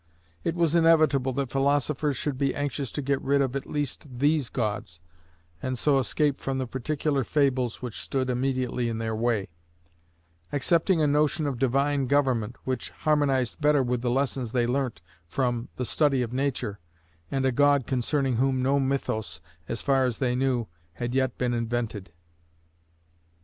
It was inevitable that philosophers should be anxious to get rid of at least these gods, and so escape from the particular fables which stood immediately in their way; accepting a notion of divine government which harmonized better with the lessons they learnt from the study of nature, and a God concerning whom no mythos, as far as they knew, had yet been invented.